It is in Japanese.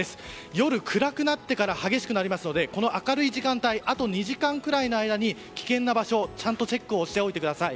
夜暗くなってから激しくなりますので明るい時間帯あと２時間くらいの間に危険な場所ちゃんとチェックしておいてください。